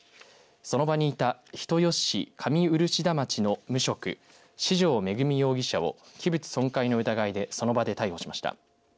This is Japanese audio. その場にいた人吉市上漆多町の無職司城惠容疑者を器物損壊の疑いでその場で逮捕しました。